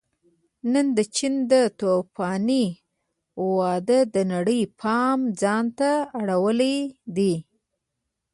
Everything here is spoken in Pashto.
نن د چین توفاني وده د نړۍ پام ځان ته اړولی دی